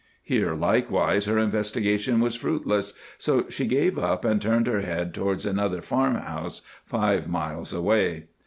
Here, likewise, her investigation was fruitless, so she gave up and turned her head towards another farm house, five miles away.